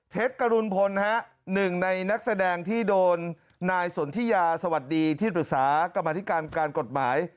กรุณพลหนึ่งในนักแสดงที่โดนนายสนทิยาสวัสดีที่ปรึกษากรรมธิการการกฎหมาย